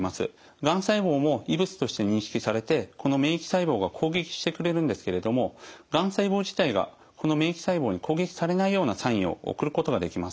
がん細胞も異物として認識されてこの免疫細胞が攻撃してくれるんですけれどもがん細胞自体がこの免疫細胞に攻撃されないようなサインを送ることができます。